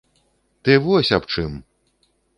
Ты вось аб чым!